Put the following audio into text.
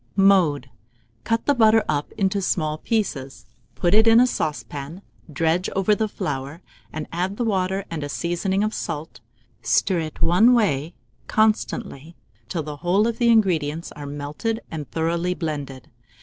Mode. Cut the butter up into small pieces, put it in a saucepan, dredge over the flour, and add the water and a seasoning of salt; stir it one way constantly till the whole of the ingredients are melted and thoroughly blended.